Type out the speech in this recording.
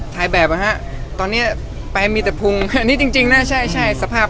ถ่ายแบบไหมถ่ายแบบ